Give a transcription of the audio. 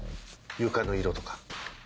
床の色とか。